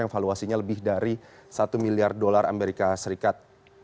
yang valuasinya lebih dari satu miliar dolar amerika serikat